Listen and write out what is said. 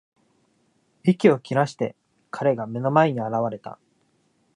息を切らして、彼が目の前に現れた。